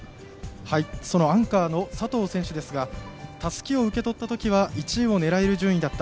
そのアンカーの佐藤選手ですがたすきを受け取ったときは１位も狙える順位だった。